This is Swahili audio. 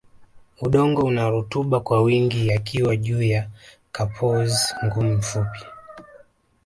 Udongo una rutuba kwa wingi yakiwa juu ya carpaous ngumu fupi